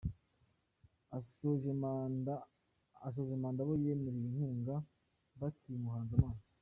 Asoje manda abo yemereye inkunga bakimuhanze amaso.